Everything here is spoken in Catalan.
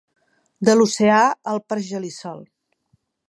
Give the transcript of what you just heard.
De l'oceà al pergelisol.